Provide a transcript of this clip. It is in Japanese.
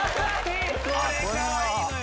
これかわいいのよ。